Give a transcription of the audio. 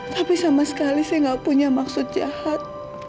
tapi sama sekali saya nggak punya maksud jahat